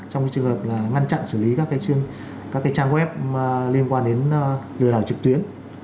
trong trường hợp ngăn chặn xử lý các cái trang web liên quan đến người đảo trực tuyến